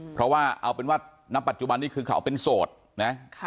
เพราะว่าเอาเป็นว่าณปัจจุบันนี้คือเขาเป็นโสดนะ